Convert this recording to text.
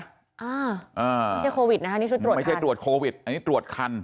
ไม่ใช่โควิดนะคะนี่ชุดตรวจไม่ใช่ตรวจโควิดอันนี้ตรวจคัน